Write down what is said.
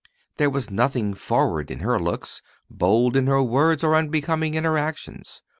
There was nothing forward in her looks, bold in her words or unbecoming in her actions.